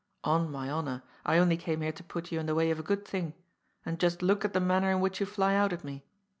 On my honour, I only came here to put you in the way of a good thing. And just look at the manner in which you fly out at me.